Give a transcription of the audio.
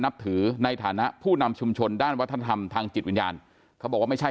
นับถือในฐานะผู้นำชุมชนด้านวัฒนธรรมทางจิตวิญญาณเขาบอกว่าไม่ใช่